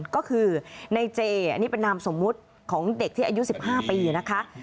ก็คือในเจอันนี้เป็นนามสมมุติของเด็กที่อายุ๑๕ปีนะคะ